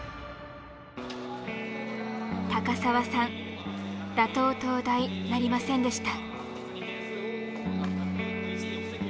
高澤さん打倒東大なりませんでした。